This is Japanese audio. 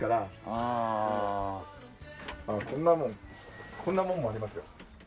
こんなもんこんなもんもありますよ。